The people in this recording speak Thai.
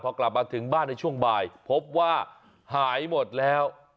พอกลับมาถึงบ้านในช่วงบ่ายพบว่าหายหมดแล้ว